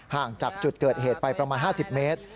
ห่างจากจุดเกิดเหตุไปประมาณ๕๐เมตร